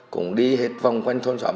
cùng đi hết vòng quanh thôn xóm